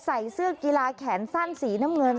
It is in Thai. ใส่เสื้อกีฬาแขนสั้นสีน้ำเงิน